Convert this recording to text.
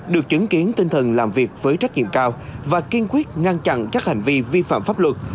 được chứng kiến tinh thần làm việc với trách nhiệm cao và kiên quyết ngăn chặn các hành vi vi phạm pháp luật